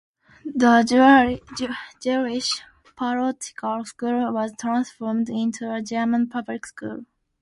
The Jewish parochial school was transformed into a German public school.